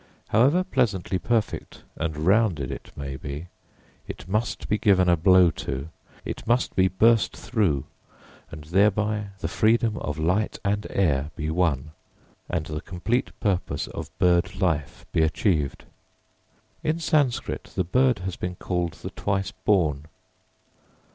However pleasantly perfect and rounded it may be, it must be given a blow to, it must be burst through and thereby the freedom of light and air be won, and the complete purpose of bird life be achieved. In Sanskrit, the bird has been called the twice born.